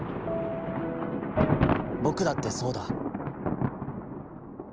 僕だってさうだ』。